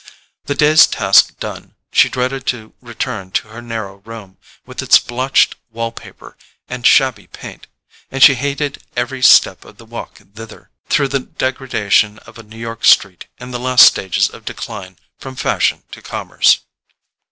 The day's task done, she dreaded to return to her narrow room, with its blotched wall paper and shabby paint; and she hated every step of the walk thither, through the degradation of a New York street in the last stages of decline from fashion to commerce.